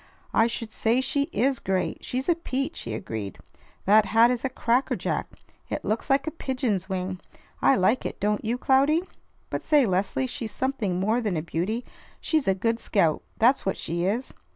"I should say she is great! She's a peach!" he agreed. "That hat is a cracker jack! It looks like a pigeon's wing. I like it; don't you, Cloudy? But say, Leslie, she's something more than a beauty. She's a good scout. That's what she is.